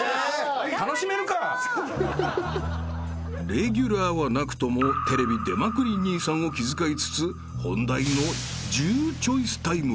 ［レギュラーはなくともテレビ出まくり兄さんを気遣いつつ本題の銃チョイスタイムへ］